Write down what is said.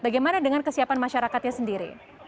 bagaimana dengan kesiapan masyarakatnya sendiri